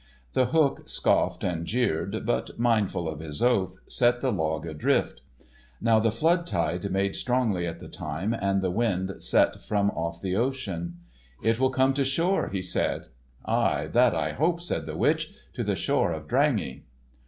The Hook scoffed and jeered, but, mindful of his oath, set the log adrift. Now the flood tide made strongly at the time, and the wind set from off the ocean. "It will come to shore," he said. "Ay, that I hope," said the witch; "to the shore of Drangey."